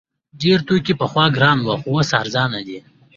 ډیر توکي پخوا ګران وو خو اوس ارزانه دي.